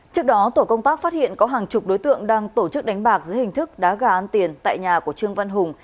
trước đó tổ công tác phát hiện có hàng chục đối tượng đang tổ chức đánh bạc dưới hình thức đá gà ăn tiền tại nhà của trương văn hùng